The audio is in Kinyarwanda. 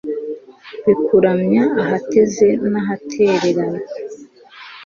bikuramya, ahateze n'ahaterera